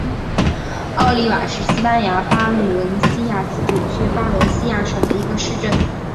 奥利瓦是西班牙巴伦西亚自治区巴伦西亚省的一个市镇。